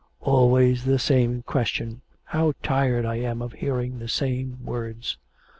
'Always the same question how tired I am of hearing the same words.